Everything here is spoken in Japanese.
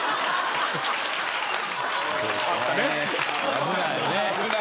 危ないね。